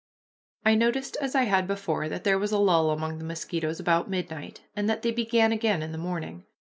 I noticed, as I had before, that there was a lull among the mosquitoes about midnight, and that they began again in the morning.